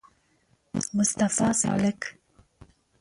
مصطفی سالک